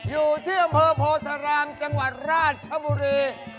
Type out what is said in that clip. อยู่ที่อำเภอโพธารามจังหวัดราชบุรี